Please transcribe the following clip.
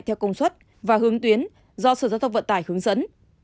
theo công suất và hướng tuyến do sở giao thông vận tải hướng dẫn